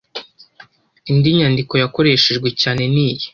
Indi nyandiko yakoreshejwe cyane niyi